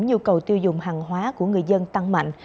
nhu cầu tiêu dùng hàng hóa của người dân tăng mạnh